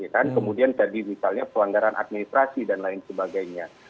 kemudian tadi misalnya pelanggaran administrasi dan lain sebagainya